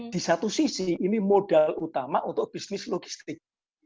di satu sisi ini modal utama untuk bisnis logistik